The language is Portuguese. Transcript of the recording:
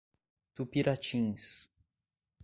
Tupiratins